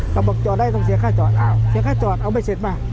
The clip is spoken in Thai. บอกจอดได้ต้องเสียค่าจอดเสียค่าจอดเอาไม่เสร็จมา